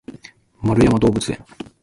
円山動物園